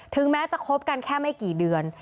แม้จะคบกันแค่ไม่กี่เดือน